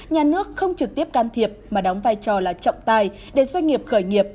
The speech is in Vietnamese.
nhà nước không trực tiếp can thiệp mà đóng vai trò là trọng tài để doanh nghiệp khởi nghiệp